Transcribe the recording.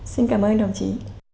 xin cảm ơn đồng chí